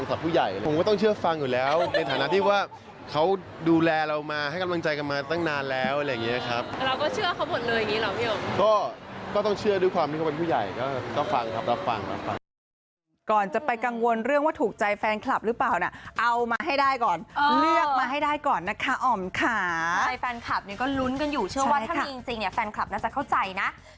เราตัดสินใจเลือกแล้วอะไรอย่างเงี้ย